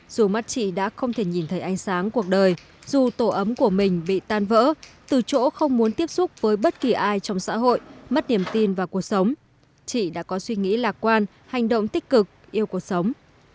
dù mắt chị đã không thể nhìn thấy ánh sáng cuộc đời dù tổ ấm của mình bị tan vỡ từ chỗ không muốn tiếp xúc với bất kỳ ai trong xã hội mất niềm tin vào cuộc sống chị đã có suy nghĩ lạc quan hành động tích cực yêu cuộc sống